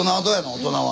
大人は。